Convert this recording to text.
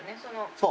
そう。